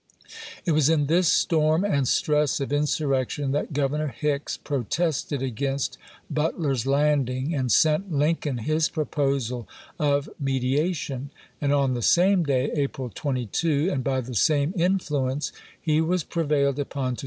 It was in this storm and stress of insurrec tion that Governor Hicks protested against But w. R. Vol. ler's landing, and sent Lincoln his proposal of II., pp. 586 i^e(jiation; and on the same day (April 22), and by the same influence, he was prevailed upon to 1861.